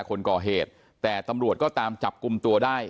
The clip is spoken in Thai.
คนก่อเหตุแต่ตำรวจก็ตามจับกลุ่มตัวได้